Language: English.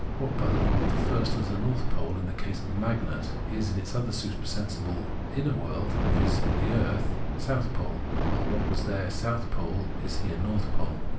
What, by the law of the first, was north pole in the case of the magnet, is, in its other supersensible inner world (viz. in the earth), south pole ; while what was there south pole is here north pole.